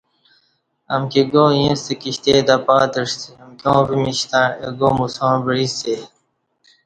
امکی گا ییں ستہ کشتے تہ پاتعسی امکیاں پِمچ ستݩع اہ گا موساں یعݩسئے